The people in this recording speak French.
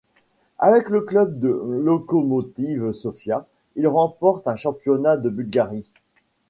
Avec le club du Lokomotiv Sofia, il remporte un championnat de Bulgarie.